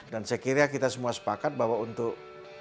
dan saya kira kita semua sepakat bahwa untuk